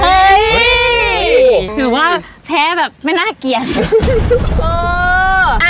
ถือว่าแพ้แบบไม่น่าเกลียด